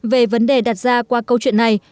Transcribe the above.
về vấn đề đặt ra qua câu chuyện này